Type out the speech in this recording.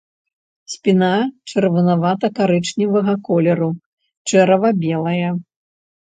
Спіна чырванавата-карычневага колеру, чэрава белае.